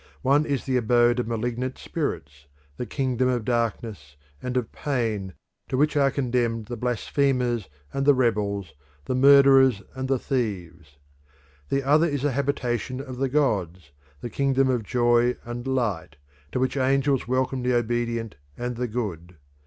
One is the abode of malignant spirits, the kingdom of darkness and of pain to which are condemned the blasphemers and the rebels, the murderers and the thieves. The other is the habitation of the gods, the kingdom of joy and light, to which angels welcome the obedient and the good.